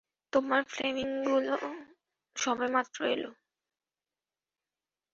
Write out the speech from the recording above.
তোমার ফ্লেমিঙ্গোগুলো সবেমাত্র এলো।